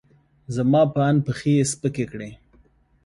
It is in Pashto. زما په اند، پښې یې سپکې کړې.